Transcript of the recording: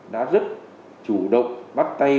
đã rất chủ động bắt tay